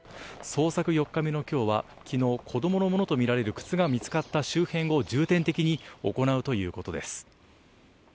捜索４日目の今日は昨日、子供のものとみられる靴が見つかった周辺を重点的に行うということです。